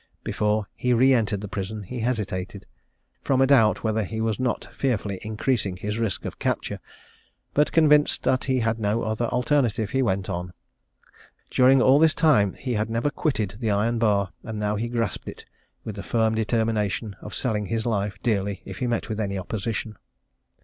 Before he re entered the prison he hesitated, from a doubt whether he was not fearfully increasing his risk of capture; but, convinced that he had no other alternative, he went on. During all this time he had never quitted the iron bar, and he now grasped it with the firm determination of selling his life dearly if he met with any opposition.